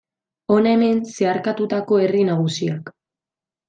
Hona hemen zeharkatutako herri nagusiak.